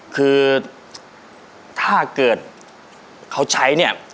คือถ้าเกิดเขาใช้เนี่ย